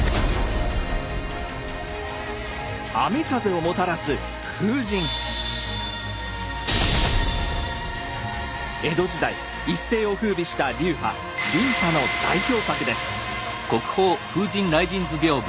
雨風をもたらす江戸時代一世を風靡した流派琳派の代表作です。